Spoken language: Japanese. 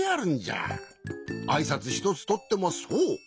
あいさつひとつとってもそう。